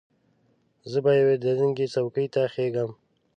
زه به یوې دنګې څوکې ته خېژم.